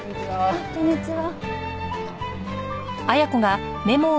あっこんにちは。